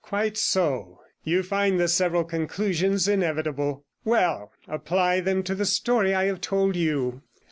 'Quite so; you find the several conclusions inevitable. Well, apply them to the story I have told you.